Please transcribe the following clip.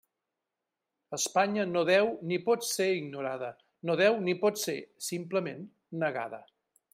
Espanya no deu ni pot ser ignorada, no deu ni pot ser —simplement— negada.